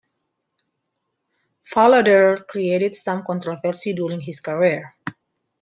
Falardeau created some controversy during his career.